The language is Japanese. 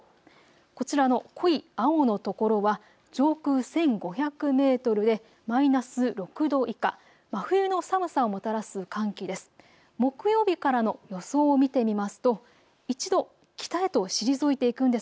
こちらの濃い青の所は上空１５００メートルでマイナス６度以下、真冬の寒さをもたらす寒気です。